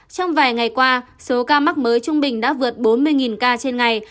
trong vài ngày qua số ca mắc mới trung bình đã vượt bốn mươi ca trên ngày